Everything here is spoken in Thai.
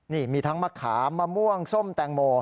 นี่มีทั้งมะขามมะม่วงส้มแตงโม